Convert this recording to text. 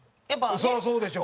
そりゃそうでしょ。